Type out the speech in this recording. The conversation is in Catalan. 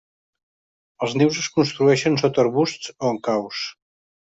Els nius es construeixen sota arbusts o en caus.